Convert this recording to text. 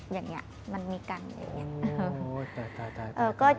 อย่างนี้มันมีกันอะไรอย่างนี้